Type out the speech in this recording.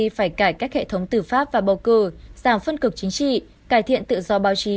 phải cải cách hệ thống tư pháp và bầu cử giảm phân cực chính trị cải thiện tự do báo chí